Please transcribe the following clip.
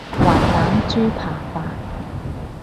滑蛋豬扒飯